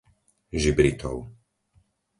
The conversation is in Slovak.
Žibritov